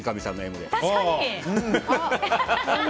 確かに！